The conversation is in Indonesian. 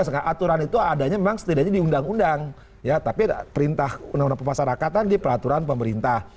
perintah undang undang pemasarakatan di peraturan pemerintah